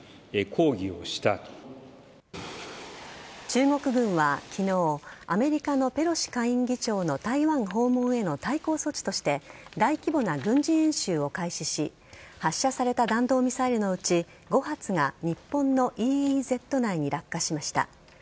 中国軍は昨日アメリカのペロシ下院議長の台湾訪問への対抗措置として大規模な軍事演習を開始し発射された弾道ミサイルのうち５発が日本のＥＥＺ内に落下しました。